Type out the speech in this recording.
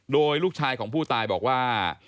โดยลูกชายของผู้ตายบอกว่า